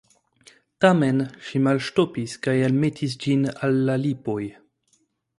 Tamen ŝi malŝtopis kaj almetis ĝin al la lipoj.